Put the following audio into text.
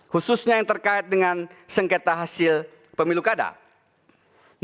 khususnya yang terkait dengan sengketa hasil pemilu kada